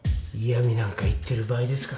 嫌みなんか言ってる場合ですか。